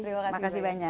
terima kasih banyak